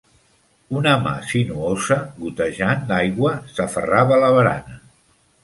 Una mà sinuosa, gotejant aigua, s'aferrava a la barana.